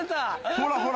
ほらほら